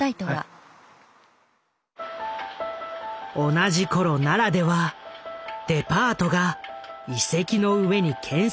同じ頃奈良ではデパートが遺跡の上に建設されていた。